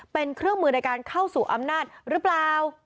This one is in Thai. เป็นเครื่องมือในการเข้าสู่อำนาจหรือเปล่า